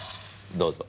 どうぞ。